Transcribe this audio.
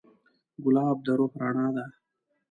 ګلاب د روح رڼا ده.